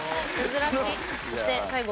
珍しい。